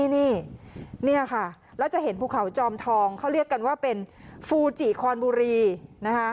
นี่ค่ะแล้วจะเห็นภูเขาจอมทองเขาเรียกกันว่าเป็นฟูจิคอนบุรีนะคะ